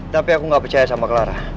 tapi aku nggak percaya sama clara